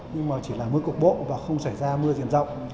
nhưng mà chỉ là mưa cục bộ và không xảy ra mưa diện rộng